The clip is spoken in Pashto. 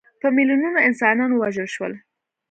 په میلیونونو انسانان ووژل شول.